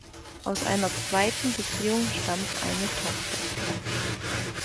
Aus einer zweiten Beziehung stammt eine Tochter.